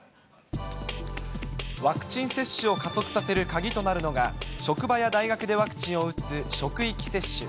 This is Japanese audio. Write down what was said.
ワクチン接種を加速させる鍵となるのが、職場や大学でワクチンを打つ職域接種。